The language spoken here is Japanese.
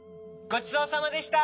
ごちそうさまでした！